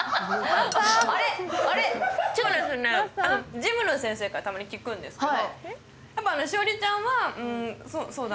ジムの先生からたまに聞くんですけど。